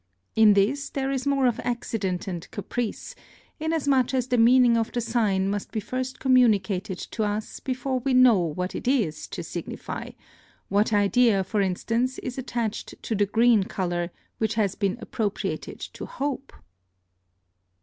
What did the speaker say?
In this there is more of accident and caprice, inasmuch as the meaning of the sign must be first communicated to us before we know what it is to signify; what idea, for instance, is attached to the green colour, which has been appropriated to hope?